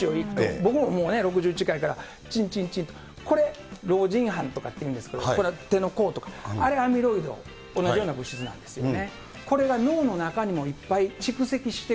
僕も６１やから、ちんちんちんと、これ、老人斑とかっていうんですけれども、これ、手の甲とかあれはアミロイド、同じような物質なんですよね。